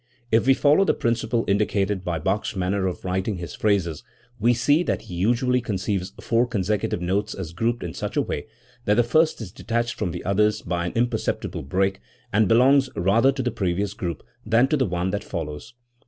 If we follow the principle indicated by Bach's manner of writing his phrases, we see that he usually conceives four con secutive notes as grouped in such a way that the first is detached from the others by an imperceptible break, and belongs rather to the previous group than to the one that follows.